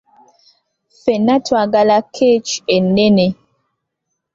Ffenna twagala keeki ennene.